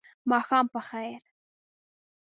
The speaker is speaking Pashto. ماښام په خیر !